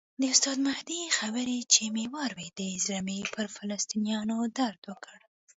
د استاد مهدي خبرې چې مې واورېدې زړه مې پر فلسطینیانو درد وکړ.